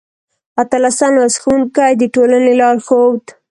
اتلسم لوست: ښوونکی د ټولنې لارښود